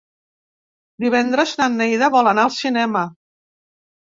Divendres na Neida vol anar al cinema.